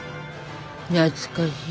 懐かしい。